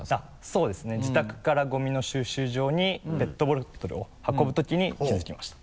そうですね自宅からゴミの収集場にペットボトルを運ぶときに気づきました。